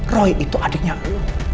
roy itu adiknya lo